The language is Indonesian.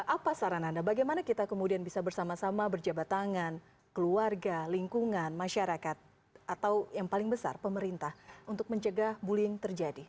apa saran anda bagaimana kita kemudian bisa bersama sama berjabat tangan keluarga lingkungan masyarakat atau yang paling besar pemerintah untuk mencegah bullying terjadi